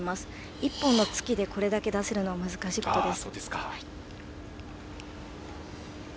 １本の突きでこれだけ出すのは難しいことです。